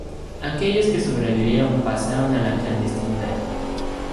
Aquellos que sobrevivieron pasaron a la clandestinidad.